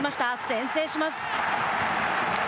先制します。